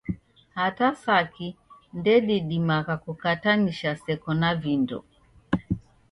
Hata saki ndedimagha kukatanisha seko na vindo.